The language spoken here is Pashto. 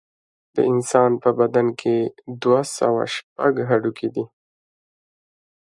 د انسان په بدن کې دوه سوه شپږ هډوکي دي